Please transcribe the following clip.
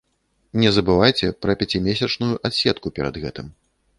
Не забывайце пра пяцімесячную адседку перад гэтым.